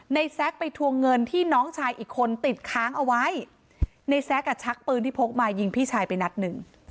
แซ็กไปทวงเงินที่น้องชายอีกคนติดค้างเอาไว้ในแซ็กอ่ะชักปืนที่พกมายิงพี่ชายไปนัดหนึ่ง